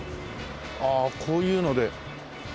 ああこういうので。